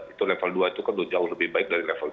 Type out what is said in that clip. itu level dua itu kan jauh lebih baik dari level tiga